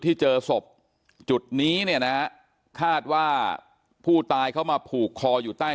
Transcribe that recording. ที่เจอศพจุดนี้เนี่ยนะฮะคาดว่าผู้ตายเข้ามาผูกคออยู่ใต้